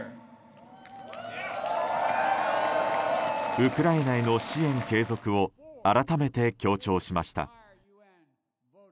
ウクライナへの支援継続を改めて強調しました。